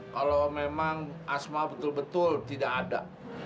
kalau memang asma betul betul tidak ada